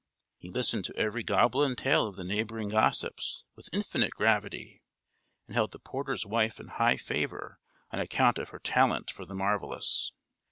He listened to every goblin tale of the neighbouring gossips with infinite gravity, and held the porter's wife in high favour on account of her talent for the marvellous.